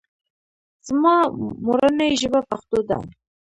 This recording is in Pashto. زما مورنۍ ژبه پښتو ده